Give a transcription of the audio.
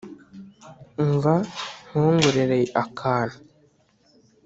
Umva nkongorere akantu